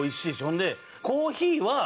ほんでコーヒーは。